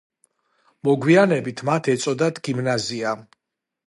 მოგვიანებით მათ ეწოდათ გიმნაზია.